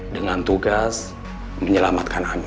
dengan tugas menyelamatkan ami